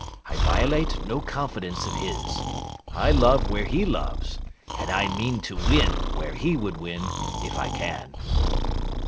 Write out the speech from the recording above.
I violate no confidence of his. I love where he loves, and I mean to win where he would win, if I can.